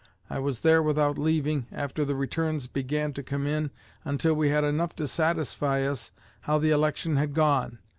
I was there without leaving, after the returns began to come in, until we had enough to satisfy us how the election had gone.